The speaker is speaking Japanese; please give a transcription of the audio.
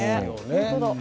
本当だ。